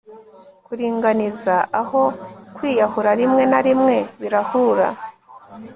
Kuringaniza aho kwiyahura rimwe na rimwe birahura